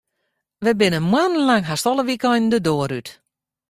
Wy binne moannen lang hast alle wykeinen de doar út.